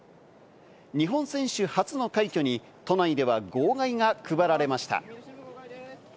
日本選手初の快挙に、都内では号外が配られました。